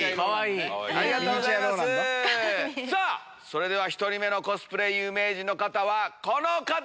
それでは１人目のコスプレ有名人はこの方です。